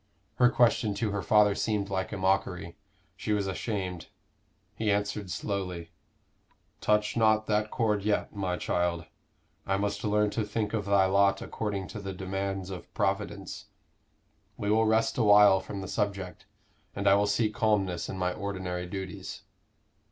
Her question to her father seemed like a mockery; she was ashamed. He answered slowly "Touch not that chord yet, my child. I must learn to think of thy lot according to the demands of Providence. We will rest a while from the subject; and I will seek calmness in my ordinary duties."